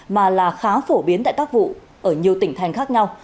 mà là khá phổ biến tại các vụ ở nhiều tỉnh thành khác nhau